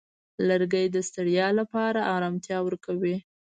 لرګی د ستړیا لپاره آرامتیا ورکوي.